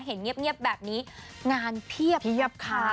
เห็นเงียบแบบนี้งานเพียบค่ะ